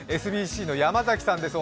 ＳＢＣの山崎さんです。